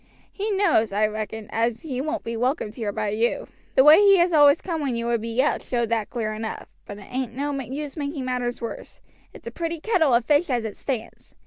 He knows, I reckon, as he won't be welcomed here by you. The way he has always come when you would be out showed that clear enough. But it ain't no use making matters worse. It's a pretty kettle of fish as it stands.